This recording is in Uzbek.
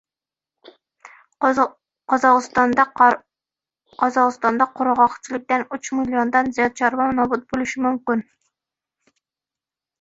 Qozog‘istonda qurg‘oqchilikdan uch milliondan ziyod chorva nobud bo‘lishi mumkin